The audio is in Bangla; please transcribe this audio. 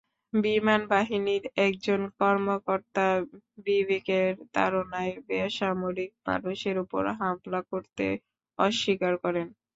বিমানবাহিনীর একজন কর্মকর্তা বিবেকের তাড়নায় বেসামরিক মানুষের ওপর হামলা করতে অস্বীকার করেন।